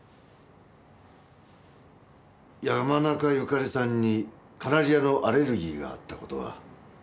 山中由佳里さんにカナリアのアレルギーがあった事は？